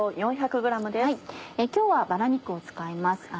今日はバラ肉を使います